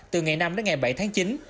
từ ngày năm đến ngày bảy tháng chín